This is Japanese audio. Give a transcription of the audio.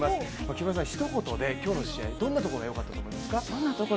木村さん、ひと言で今日の試合どんなところが良かったと思っていますか？